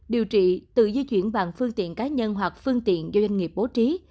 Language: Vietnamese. điều trị tự di chuyển bằng phương tiện cá nhân hoặc phương tiện do doanh nghiệp bố trí